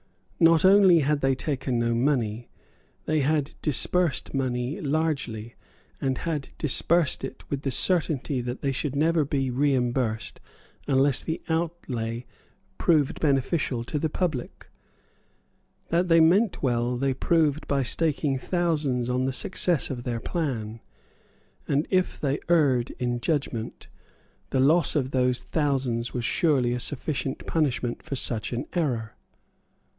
Not only had they taken no money. They had disbursed money largely, and had disbursed it with the certainty that they should never be reimbursed unless the outlay proved beneficial to the public. That they meant well they proved by staking thousands on the success of their plan; and, if they erred in judgment, the loss of those thousands was surely a sufficient punishment for such an error.